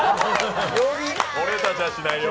俺たちはしないよ。